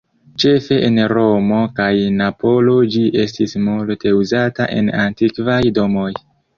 Ĉefe en Romo kaj Napolo ĝi estis multe uzata en antikvaj domoj.